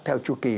theo chu kỳ